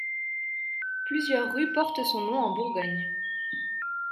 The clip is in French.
Plusieurs rues portent son nom en Bourgogne.